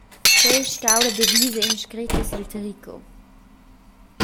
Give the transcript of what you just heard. Quei ei stau la devisa inscretta sil tricot.